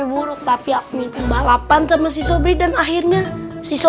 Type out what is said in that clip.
gila ini udah malem